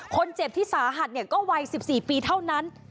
คนเจ็บที่สาหัสก็วัย๑๔ปีเท่านั้น